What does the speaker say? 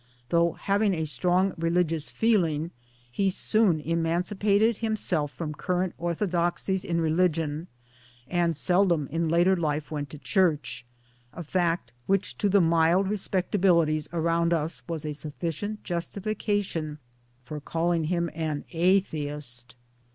Though having a strong religious feeling, he soon emancipated himself from current orthodoxies in religion, and seldom in later life went to church a fact which: to the mild respectabilities around us was a sufficient justification for calling him an Atheist.